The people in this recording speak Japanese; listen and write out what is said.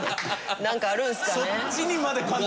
なんかあるんですかね。